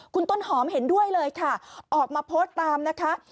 คุณต้นหอมเห็นด้วยเลยค่ะออกมาโพสต์ตามนะคะ